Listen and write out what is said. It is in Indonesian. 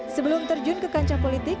sebelum terjun ke kancah politik